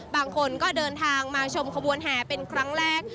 บางคนก็เดินทางมาชมขบวนแห่เป็นครั้งแรก